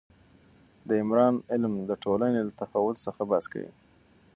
د عمران علم د ټولنې له تحول څخه بحث کوي.